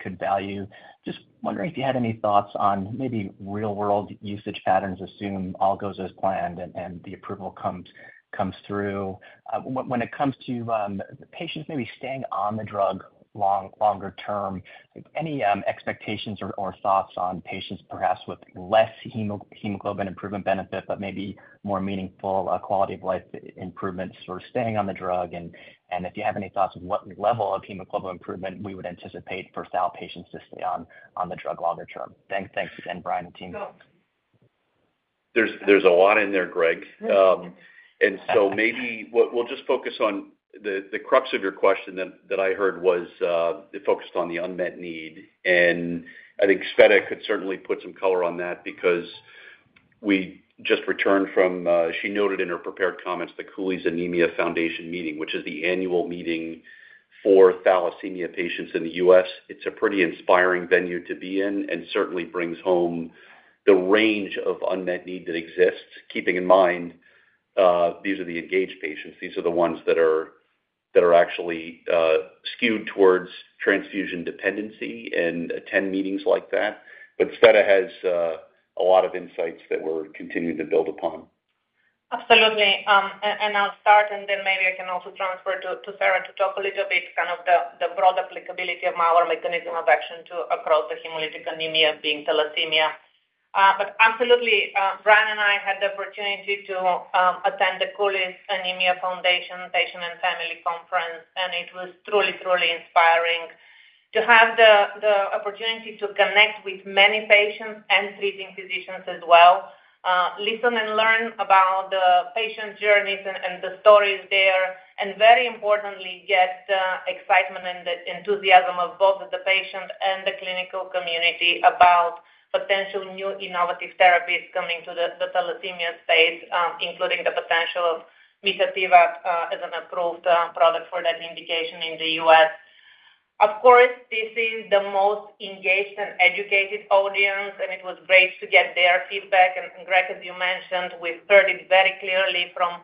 could value. Just wondering if you had any thoughts on maybe real-world usage patterns, assume all goes as planned and the approval comes through. When it comes to patients maybe staying on the drug longer term, any expectations or thoughts on patients perhaps with less hemoglobin improvement benefit, but maybe more meaningful quality of life improvements or staying on the drug? And if you have any thoughts on what level of hemoglobin improvement we would anticipate for thal patients to stay on the drug longer term. Thanks, and Brian and team. There's a lot in there, Greg. And so maybe we'll just focus on the crux of your question that I heard was, it focused on the unmet need, and I think Sveta could certainly put some color on that because we just returned from, she noted in her prepared comments, the Cooley's Anemia Foundation meeting, which is the annual meeting for thalassemia patients in the US. It's a pretty inspiring venue to be in and certainly brings home the range of unmet need that exists, keeping in mind, these are the engaged patients. These are the ones that are actually skewed towards transfusion dependency and attend meetings like that. But Sveta has a lot of insights that we're continuing to build upon. Absolutely. I'll start, and then maybe I can also transfer to Sarah to talk a little bit, kind of the broad applicability of our mechanism of action to across the hemolytic anemia, being thalassemia. But absolutely, Brian and I had the opportunity to attend the Cooley's Anemia Foundation Patient and Family Conference, and it was truly, truly inspiring to have the opportunity to connect with many patients and treating physicians as well, listen and learn about the patient journeys and the stories there, and very importantly, get the excitement and the enthusiasm of both the patient and the clinical community about potential new innovative therapies coming to the thalassemia space, including the potential of mitapivat, as an approved product for that indication in the US. Of course, this is the most engaged and educated audience, and it was great to get their feedback. And, and Greg, as you mentioned, we've heard it very clearly from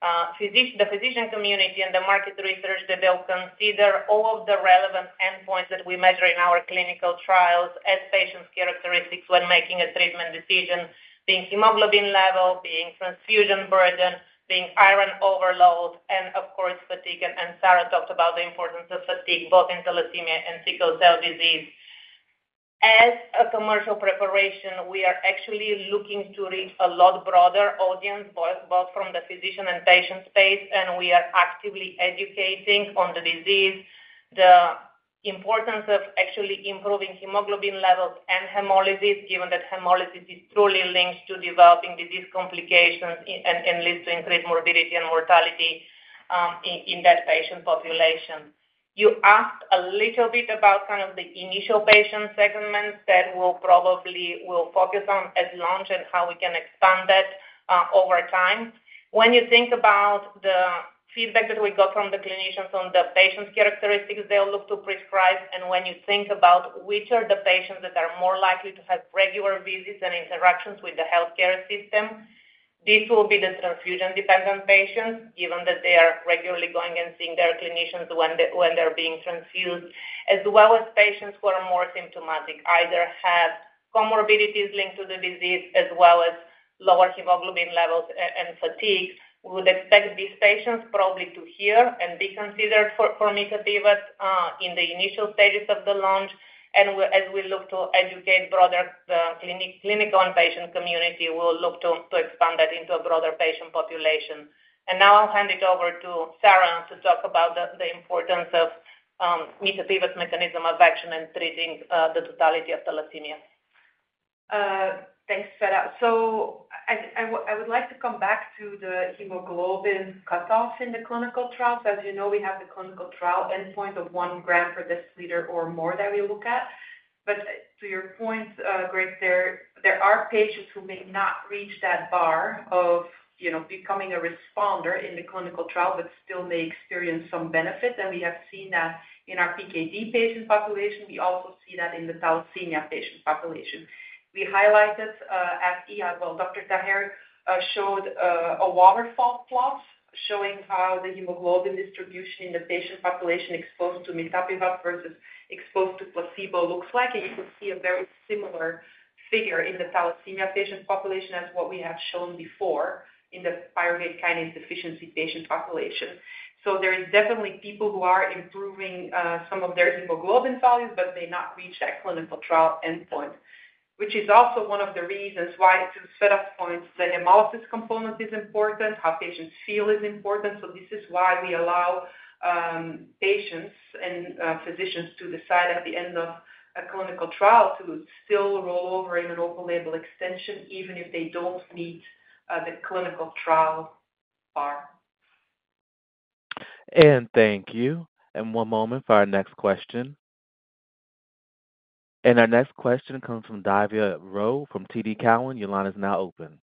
the physician community and the market research, that they'll consider all of the relevant endpoints that we measure in our clinical trials as patients' characteristics when making a treatment decision, being hemoglobin level, being transfusion burden, being iron overload, and of course, fatigue. And, and Sarah talked about the importance of fatigue, both in thalassemia and sickle cell disease. As a commercial preparation, we are actually looking to reach a lot broader audience, both, both from the physician and patient space, and we are actively educating on the disease, the importance of actually improving hemoglobin levels and hemolysis, given that hemolysis is truly linked to developing disease complications and leads to increased morbidity and mortality, in that patient population. You asked a little bit about kind of the initial patient segments that we'll probably will focus on at launch and how we can expand that, over time. When you think about the feedback that we got from the clinicians on the patient's characteristics, they'll look to prescribe, and when you think about which are the patients that are more likely to have regular visits and interactions with the healthcare system, this will be the transfusion-dependent patients, given that they are regularly going and seeing their clinicians when they're being transfused, as well as patients who are more symptomatic, either have comorbidities linked to the disease as well as lower hemoglobin levels and fatigue. We would expect these patients probably to hear and be considered for mitapivat in the initial stages of the launch. And as we look to educate broader clinical and patient community, we'll look to expand that into a broader patient population. Now I'll hand it over to Sarah to talk about the importance of mitapivat's mechanism of action in treating the totality of thalassemia.... Thanks, Sveta. So I would like to come back to the hemoglobin cutoffs in the clinical trials. As you know, we have the clinical trial endpoint of one gram per deciliter or more that we look at. But to your point, Greg, there are patients who may not reach that bar of, you know, becoming a responder in the clinical trial, but still may experience some benefit. And we have seen that in our PKD patient population. We also see that in the thalassemia patient population. We highlighted at E, well, Dr. Taher showed a waterfall plot showing how the hemoglobin distribution in the patient population exposed to mitapivat versus exposed to placebo looks like. You can see a very similar figure in the thalassemia patient population as what we have shown before in the pyruvate kinase deficiency patient population. There is definitely people who are improving some of their hemoglobin values, but may not reach that clinical trial endpoint, which is also one of the reasons why, to Sveta's point, the hemolysis component is important, how patients feel is important. This is why we allow patients and physicians to decide at the end of a clinical trial to still roll over in an open-label extension, even if they don't meet the clinical trial bar. Thank you. One moment for our next question. Our next question comes from Divya Rao from TD Cowen. Your line is now open.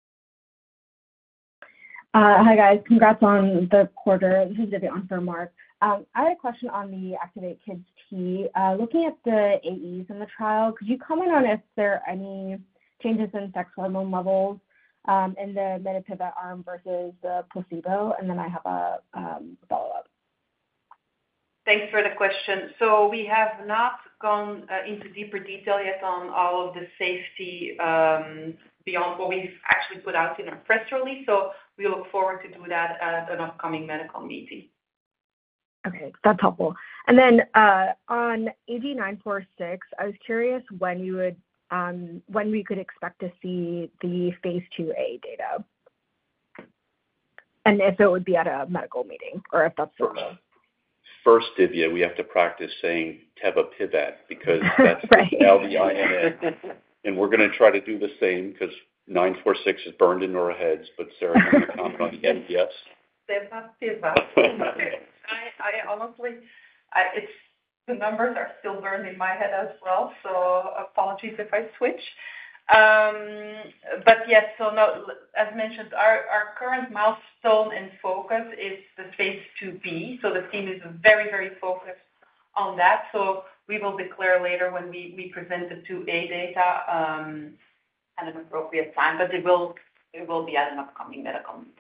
Hi, guys. Congrats on the quarter. This is Divya on for Mark. I had a question on the ACTIVATE-Kids T. Looking at the AEs in the trial, could you comment on if there are any changes in sex hormone levels in the mitapivat arm versus the placebo? And then I have a follow-up. Thanks for the question. We have not gone into deeper detail yet on all of the safety beyond what we've actually put out in our press release, so we look forward to do that at an upcoming medical meeting. Okay, that's helpful. And then, on AG-946, I was curious when you would, when we could expect to see the phase 2a data. And if it would be at a medical meeting or if that's known. First, Divya, we have to practice saying tebipivat because- Right. That's the L-V-I-N. And we're going to try to do the same because 946 is burned into our heads. But Sarah, when you come on MDS. Tebipivat. I honestly... It's the numbers are still burned in my head as well, so apologies if I switch. But yes, so no, as mentioned, our current milestone and focus is the phase 2 B, so the team is very, very focused on that. So we will declare later when we present the 2 A data at an appropriate time, but it will be at an upcoming medical meeting.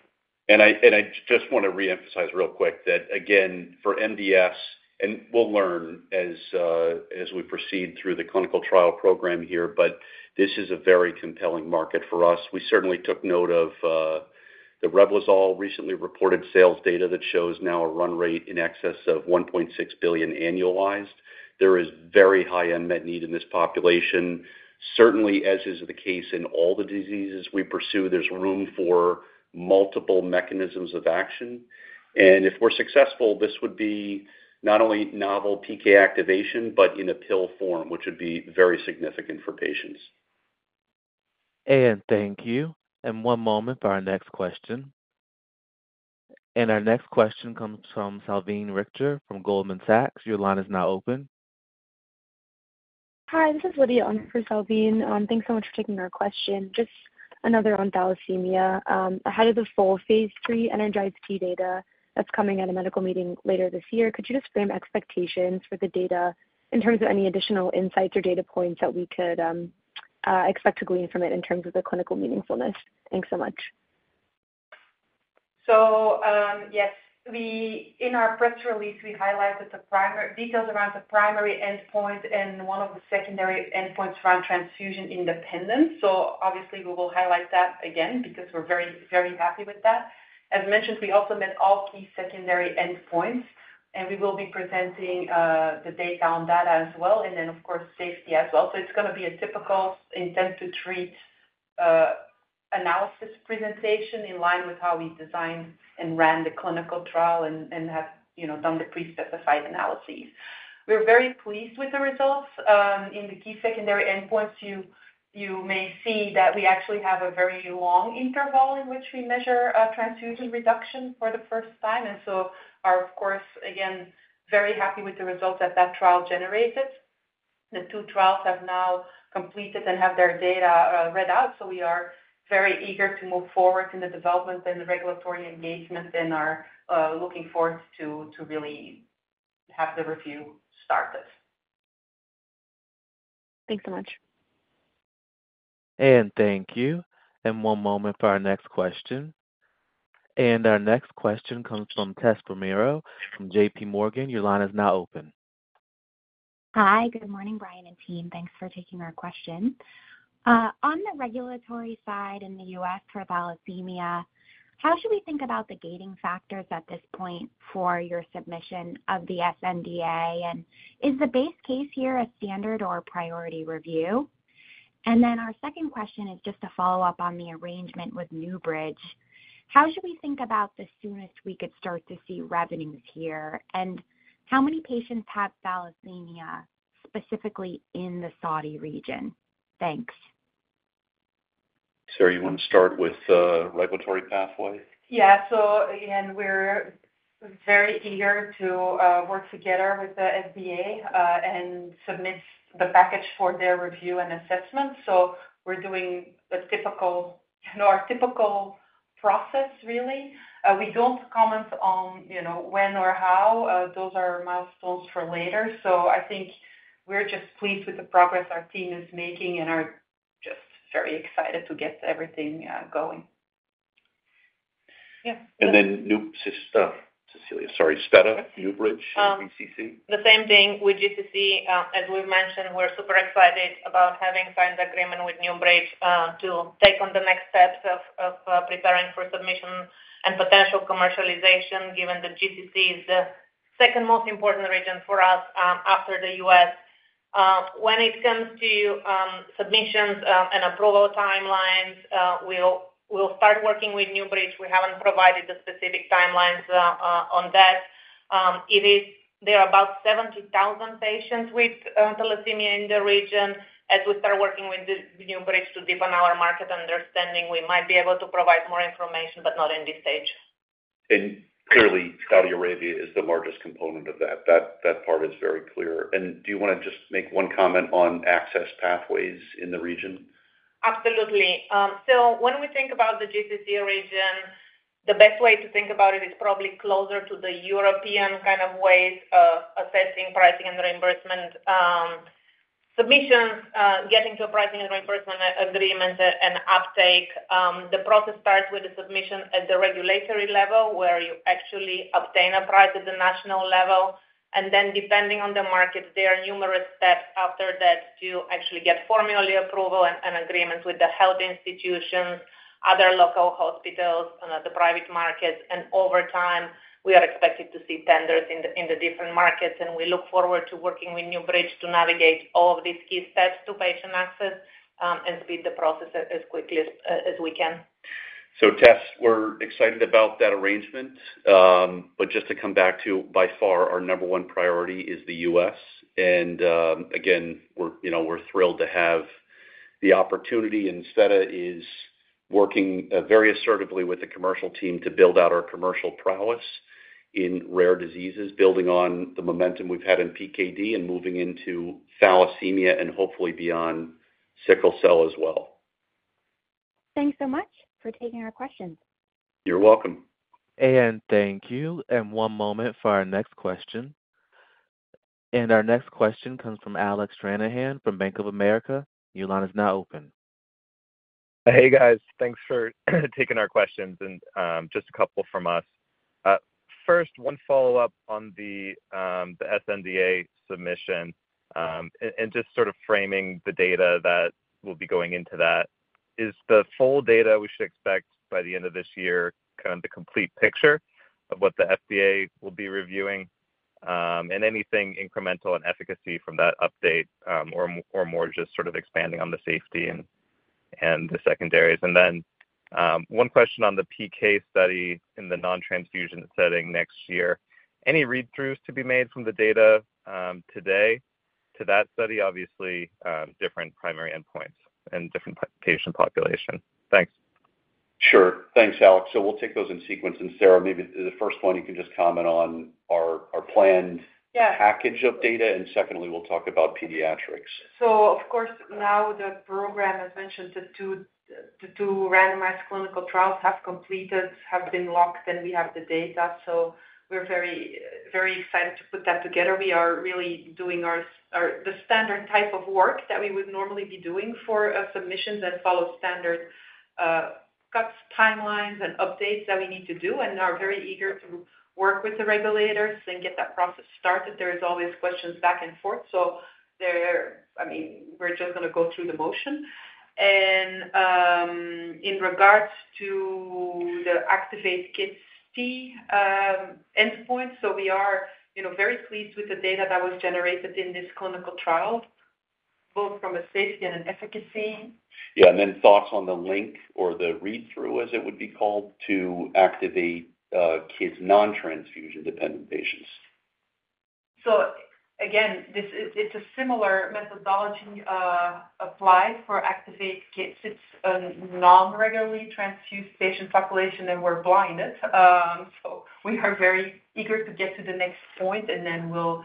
I just want to reemphasize real quick that again, for MDS, and we'll learn as, as we proceed through the clinical trial program here, but this is a very compelling market for us. We certainly took note of the Reblozyl recently reported sales data that shows now a run rate in excess of $1.6 billion annualized. There is very high unmet need in this population. Certainly, as is the case in all the diseases we pursue, there's room for multiple mechanisms of action. And if we're successful, this would be not only novel PK activation, but in a pill form, which would be very significant for patients. Thank you. One moment for our next question. Our next question comes from Salvine Richter from Goldman Sachs. Your line is now open. Hi, this is Lydia on for Salvine. Thanks so much for taking our question. Just another on thalassemia. Ahead of the full phase 3 ENERGIZE-T data that's coming at a medical meeting later this year, could you just frame expectations for the data in terms of any additional insights or data points that we could expect to glean from it in terms of the clinical meaningfulness? Thanks so much. So, yes, we in our press release highlighted the primary details around the primary endpoint and one of the secondary endpoints around transfusion independence. So obviously we will highlight that again because we're very, very happy with that. As mentioned, we also met all key secondary endpoints, and we will be presenting the data on that as well, and then, of course, safety as well. So it's going to be a typical intent to treat analysis presentation in line with how we designed and ran the clinical trial and have, you know, done the pre-specified analyses. We're very pleased with the results. In the key secondary endpoints, you may see that we actually have a very long interval in which we measure transfusion reduction for the first time, and so are, of course, again, very happy with the results that that trial generated. The two trials have now completed and have their data read out, so we are very eager to move forward in the development and the regulatory engagement and are looking forward to really have the review started. Thanks so much. Thank you. One moment for our next question. Our next question comes from Tessa Romero from J.P. Morgan. Your line is now open. Hi, good morning, Brian and team. Thanks for taking our question. On the regulatory side in the U.S. for thalassemia, how should we think about the gating factors at this point for your submission of the sNDA, and is the base case here a standard or priority review? And then our second question is just a follow-up on the arrangement with NewBridge. How should we think about the soonest we could start to see revenues here? And how many patients have thalassemia, specifically in the Saudi region? Thanks.... Sarah, you want to start with regulatory pathway? Yeah. So again, we're very eager to work together with the FDA and submit the package for their review and assessment. So we're doing a typical, you know, our typical process, really. We don't comment on, you know, when or how, those are milestones for later. So I think we're just pleased with the progress our team is making and are just very excited to get everything going. Yeah. Cecilia, sorry, Sveta, NewBridge, GCC? The same thing with GCC. As we've mentioned, we're super excited about having signed agreement with NewBridge to take on the next steps of preparing for submission and potential commercialization, given the GCC is the second most important region for us after the US. When it comes to submissions and approval timelines, we'll start working with NewBridge. We haven't provided the specific timelines on that. There are about 70,000 patients with thalassemia in the region. As we start working with the NewBridge to deepen our market understanding, we might be able to provide more information, but not in this stage. Clearly, Saudi Arabia is the largest component of that. That part is very clear. Do you want to just make one comment on access pathways in the region? Absolutely. So when we think about the GCC region, the best way to think about it is probably closer to the European kind of ways of assessing pricing and reimbursement. Submissions, getting to a pricing and reimbursement agreement and uptake, the process starts with the submission at the regulatory level, where you actually obtain a price at the national level, and then depending on the market, there are numerous steps after that to actually get formulary approval and agreement with the health institutions, other local hospitals, and the private markets. And over time, we are expected to see tenders in the different markets, and we look forward to working with NewBridge to navigate all of these key steps to patient access, and speed the process as quickly as we can. So Tess, we're excited about that arrangement. But just to come back to, by far, our number one priority is the US, and, again, we're, you know, we're thrilled to have the opportunity, and Sveta is working very assertively with the commercial team to build out our commercial prowess in rare diseases, building on the momentum we've had in PKD and moving into thalassemia and hopefully beyond sickle cell as well. Thanks so much for taking our questions. You're welcome. And thank you. And one moment for our next question. And our next question comes from Alec Stranahan from Bank of America. Your line is now open. Hey, guys. Thanks for taking our questions, and just a couple from us. First, one follow-up on the SNDA submission, and just sort of framing the data that will be going into that. Is the full data we should expect by the end of this year, kind of the complete picture of what the FDA will be reviewing, and anything incremental in efficacy from that update, or more just sort of expanding on the safety and the secondaries? And then, one question on the PK study in the non-transfusion setting next year, any read-throughs to be made from the data today to that study? Obviously, different primary endpoints and different patient population. Thanks. Sure. Thanks, Alex. So we'll take those in sequence. And, Sarah, maybe the first one, you can just comment on our planned- Yeah package of data, and secondly, we'll talk about pediatrics. So of course, now the program, as mentioned, the two randomized clinical trials have completed, have been locked, and we have the data, so we're very, very excited to put that together. We are really doing our the standard type of work that we would normally be doing for a submission that follows standard cuts, timelines, and updates that we need to do, and are very eager to work with the regulators and get that process started. There is always questions back and forth, I mean, we're just going to go through the motion. In regards to the ACTIVATE-Kids T endpoint, so we are, you know, very pleased with the data that was generated in this clinical trial, both from a safety and an efficacy. Yeah, and then thoughts on the link or the read-through, as it would be called, to ACTIVATE Kids non-transfusion-dependent patients. So again, this is. It's a similar methodology applied for ACTIVATE-Kids. It's a non-regularly transfused patient population, and we're blinded. So we are very eager to get to the next point, and then we'll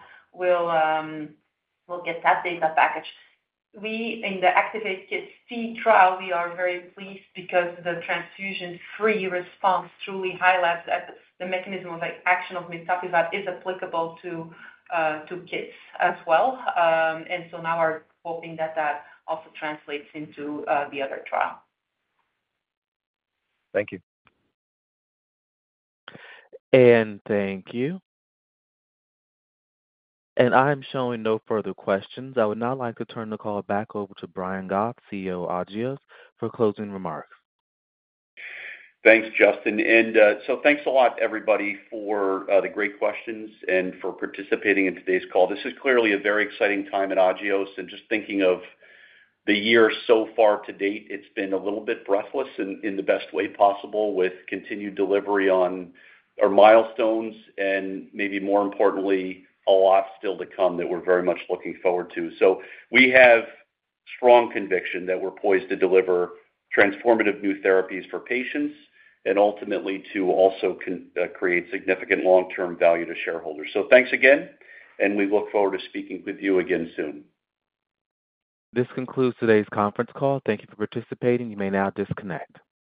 get that data package. In the ACTIVATE-Kids T trial, we are very pleased because the transfusion-free response truly highlights that the mechanism of action of mitapivat is applicable to kids as well. And so now we're hoping that that also translates into the other trial. Thank you. Thank you. I'm showing no further questions. I would now like to turn the call back over to Brian Goff, CEO Agios, for closing remarks. Thanks, Justin. And, so thanks a lot, everybody, for, the great questions and for participating in today's call. This is clearly a very exciting time at Agios, and just thinking of the year so far to date, it's been a little bit breathless in the best way possible, with continued delivery on our milestones and maybe more importantly, a lot still to come that we're very much looking forward to. So we have strong conviction that we're poised to deliver transformative new therapies for patients and ultimately to also con-- create significant long-term value to shareholders. So thanks again, and we look forward to speaking with you again soon. This concludes today's conference call. Thank you for participating. You may now disconnect.